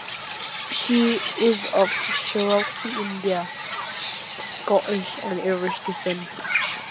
She is of Cherokee Indian, Scottish and Irish descent.